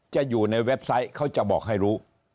จะอยู่ในเว็บไซต์เขาจะบอกให้รู้